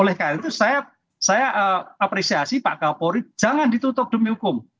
oleh karena itu saya apresiasi pak kapolri jangan ditutup demi hukum